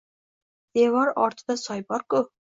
Devor ortida soy bor-ku!